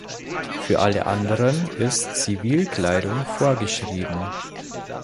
Für alle anderen ist Zivilkleidung vorgeschrieben.